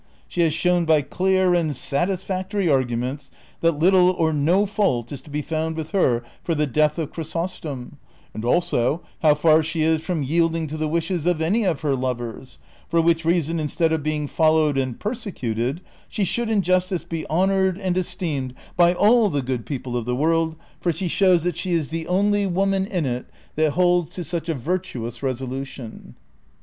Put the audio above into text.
She has shown by clear and satisfactory argu ments that little or no fault is to be found with her for the death of (Jlirysostom, and also how far she is from yield ing to the wishes of any of her lovers, for which reason, instead of being followed and persecuted, she should in justice be honored and esteemed by all the good people of the world, for she shows that she is the only Avoman in it that holds to such a virtuous resolution."